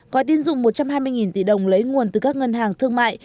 có tín dụng một trăm hai mươi tỷ đồng lấy nguồn từ các ngân hàng thương mại